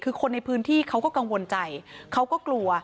คือคนในพื้นที่เขาก็กังวลใจเขาก็กลัว